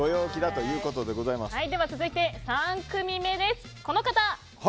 では続いて３組目です。